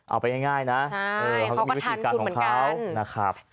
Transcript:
เอาไปง่ายนะเขาก็มีวิธีการของเขานะครับ